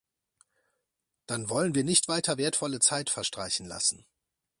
Dann wollen wir nicht weiter wertvolle Zeit verstreichen lassen.